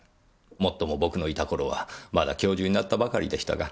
もっとも僕のいた頃はまだ教授になったばかりでしたが。